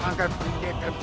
aku di depan